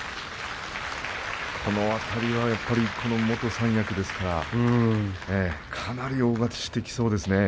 この阿炎も元三役ですからかなり大勝ちしていきそうですね。